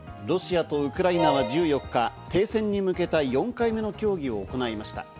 ロシアとウクライナは１４日、停戦に向けた４回目の協議を行いました。